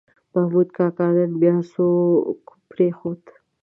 محمود کاکا نن بیا څوک پرېښود.